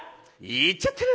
ヤっちゃってる！